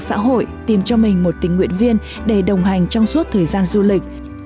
trong thời gian xã hội tìm cho mình một tình nguyện viên để đồng hành trong suốt thời gian du lịch